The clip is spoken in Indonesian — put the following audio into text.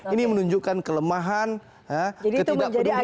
ini menunjukkan kelemahan ketidakpedulian